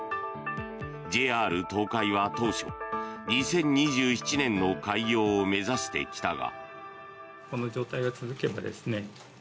ＪＲ東海は当初２０２７年の開業を目指してきたが。